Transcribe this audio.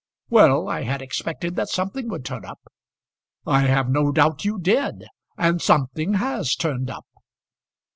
"Well, I had expected that something would turn up." "I have no doubt you did, and something has turned up.